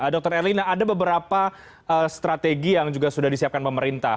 dr erlina ada beberapa strategi yang juga sudah disiapkan pemerintah